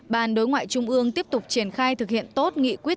ban đối ngoại trung ương tiếp tục triển khai thực hiện tốt nghị quyết